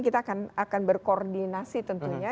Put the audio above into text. kita akan berkoordinasi tentunya